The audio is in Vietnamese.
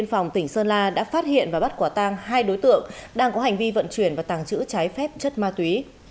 biên phòng tỉnh sơn la đã phát hiện và bắt quả tang hai đối tượng đang có hành vi vận chuyển và tàng trữ trái phép chất ma túy